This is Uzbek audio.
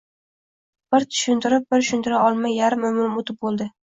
Bir tushuntirib, bir tushuntira olmay yarim umrim o‘tib bo‘ldi